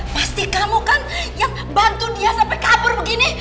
pasti kamu kan yang bantu dia sampai kabur begini